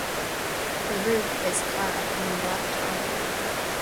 The roof is clad in black tile.